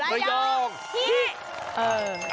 ระยองหี้